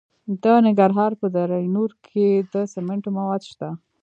د ننګرهار په دره نور کې د سمنټو مواد شته.